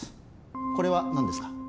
これは何ですか？